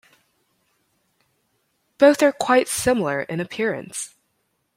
Both are quite similar in appearance.